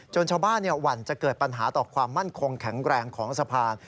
ชาวบ้านหวั่นจะเกิดปัญหาต่อความมั่นคงแข็งแรงของสะพาน